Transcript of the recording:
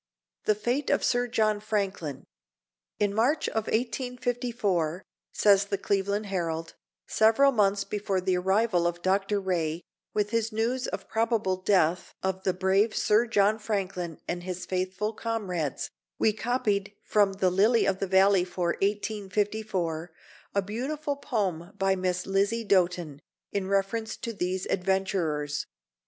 THE FATE OF SIR JOHN FRANKLIN. "In March, of 1854, says the Cleveland Herald, several months before the arrival of Dr. Rae, with his news of the probable death of the brave Sir John Franklin and his faithful comrades, we copied from the Lily of the Valley for 1854, a beautiful poem by Miss Lizzie Doten, in reference to these adventurers.